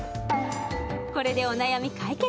これでお悩み解決！